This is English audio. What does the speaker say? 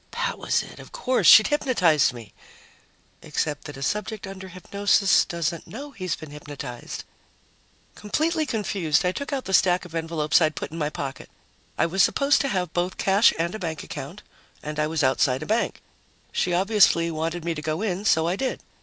That was it, of course! She'd hypnotized me.... Except that a subject under hypnosis doesn't know he's been hypnotized. Completely confused, I took out the stack of envelopes I'd put in my pocket. I was supposed to have both cash and a bank account, and I was outside a bank. She obviously wanted me to go in, so I did.